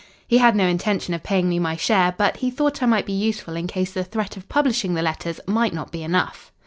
He had no intention of paying me my share, but he thought I might be useful in case the threat of publishing the letters might not be enough.